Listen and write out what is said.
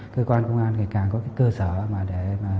cơ quan công an ngày càng có cái cơ sở mà để